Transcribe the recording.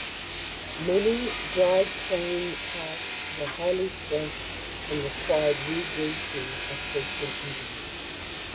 Many drive-train parts were highly stressed and required re-greasing at frequent intervals.